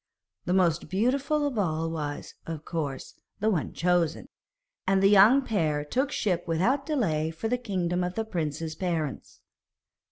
The most beautiful of all was, of course, the one chosen, and the young pair took ship without delay for the kingdom of the prince's parents.